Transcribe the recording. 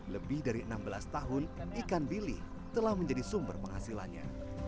lebih dari enam belas tahun ikan bili telah menjadi sumber penghasilannya